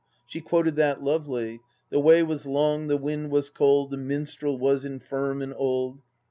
She quoted that lovely :" The way was long, the wind was cold .... The minstrel was infirm and old.